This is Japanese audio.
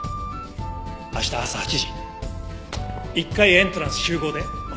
明日朝８時１階エントランス集合でお願いします！